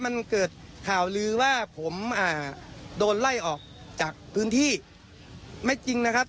มันเกิดข่าวลือว่าผมอ่าโดนไล่ออกจากพื้นที่ไม่จริงนะครับ